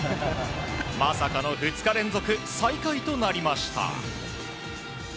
まさかの２日連続最下位となりました。